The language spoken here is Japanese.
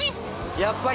やっぱり。